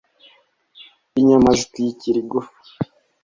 inyama zitwikira igufwa